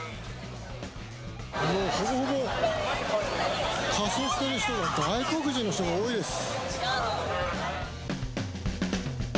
もうほぼほぼ仮装してる人は外国人の人が多いです。